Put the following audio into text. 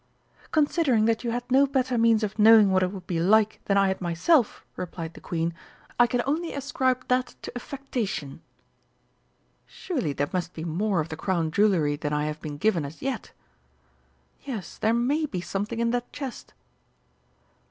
"Considering that you had no better means of knowing what it would be like than I had myself," replied the Queen, "I can only ascribe that to affectation.... Surely there must be more of the Crown jewellery than I have been given as yet?... Yes, there may be something in that chest....